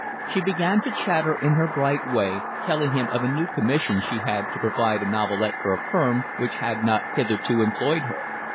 She began to chatter in her bright way, telling him of a new commission she had to provide a novelette for a firm which had not hitherto employed her.